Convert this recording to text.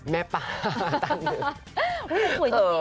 แม่ปลาตั้งหนึ่ง